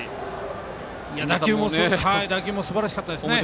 打球もすばらしかったですね。